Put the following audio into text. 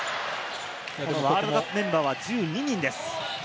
ワールドカップメンバーは１２人です。